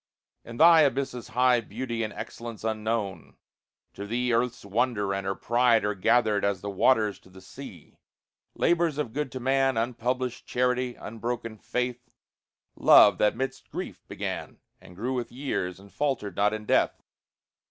In thy abysses hide Beauty and excellence unknown. To thee Earth's wonder and her pride Are gathered, as the waters to the sea. Labors of good to man, Unpublished charity, unbroken faith; Love, that 'midst grief began, And grew with years, and faltered not in death.